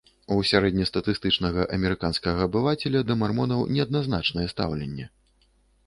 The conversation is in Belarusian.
У сярэднестатыстычнага амерыканскага абывацеля да мармонаў неадназначнае стаўленне.